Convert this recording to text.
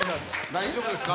大丈夫ですか？